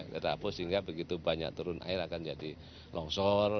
sehingga begitu banyak turun air akan jadi longsor